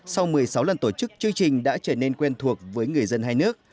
sau một mươi sáu lần tổ chức chương trình đã trở nên quen thuộc với người dân hai nước